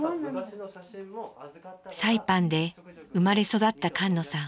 サイパンで生まれ育った菅野さん。